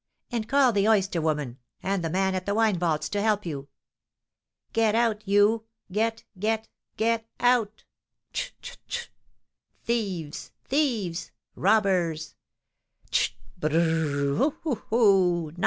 And call the oyster woman, and the man at the wine vaults, to help you! Get out, you! Get get get out! Cht, cht, cht! Thieves! thieves! robbers! Cht b r r r r r r hou, hou, hou!